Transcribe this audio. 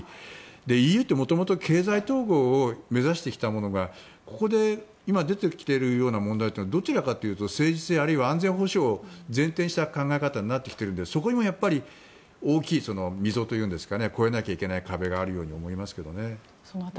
ＥＵってもともと経済統合を目指してきたものが今、ここで出てきている問題はどちらかというと政治性あるいは安全保障を前提にした考え方になってきているのでそこにも大きい溝というんですか超えなきゃいけない壁があるように思えますけどね。